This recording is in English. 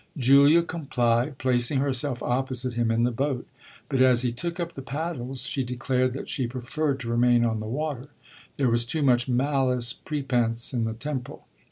Julia complied, placing herself opposite him in the boat; but as he took up the paddles she declared that she preferred to remain on the water there was too much malice prepense in the temple.